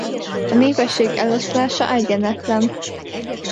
A népesség eloszlása egyenetlen.